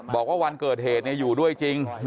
บอกว่าวันเกิดเหตุอยู่ด้วยจริง